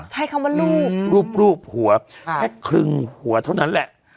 ใช้คำว่ารูปรูปหัวแค่ครึ่งหัวเท่านั้นแหละ